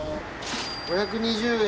５２０円